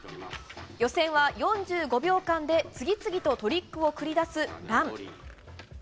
予選は、４５秒間で次々とトリックを繰り出すラン。